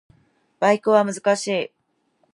バイクは難しい